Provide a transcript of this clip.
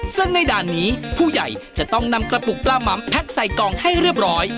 ซึ่งในด่านนี้ผู้ใหญ่จะต้องนำกระปุกปลาหม่ำแพ็คใส่กองให้เรียบร้อย